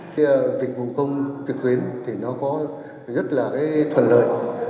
dịch vụ công trực tuyến thì nó có rất là thuận lợi